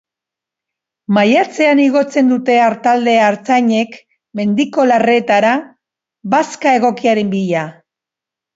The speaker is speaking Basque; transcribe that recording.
Maiatzean igotzen dute artaldea artzainek mendiko larreetara bazka egokiaren bila.